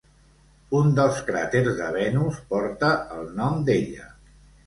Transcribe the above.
Un dels cràters de Venus porta el nom d'ella.